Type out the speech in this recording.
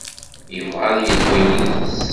Yebɣa ad yelḥu yid-s.